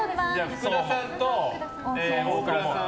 福田さんと、大倉さん